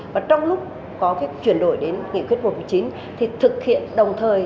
và trong lúc có cái chuyển đổi đến nghị quyết một mươi chín thì thực hiện đồng thời